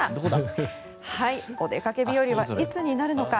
お出かけ日和はいつになるのか。